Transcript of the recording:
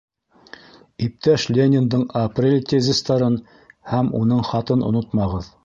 Иптәш Лениндың Апрель тезистарын һәм уның хатын онотмағыҙ!